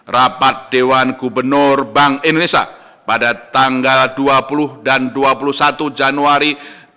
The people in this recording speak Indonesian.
rapat dewan gubernur bank indonesia pada tanggal dua puluh dan dua puluh satu januari dua ribu dua puluh